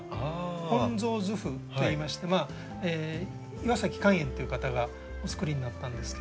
「本草図譜」といいまして岩崎灌園という方がお作りになったんですけど。